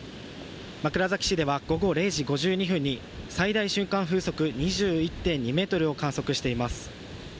枕崎市では午後０時５２分に最大瞬間風速２１．２メートルを観測しています。